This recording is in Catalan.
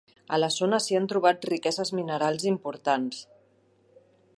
A la zona s'hi ha trobat riqueses minerals importants.